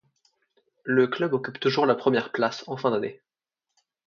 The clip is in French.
Le club occupe toujours la première place en fin d'année.